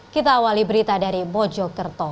kita awali berita dari bojo kerto